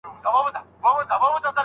اعتماد باید له منځه ولاړ نه سي.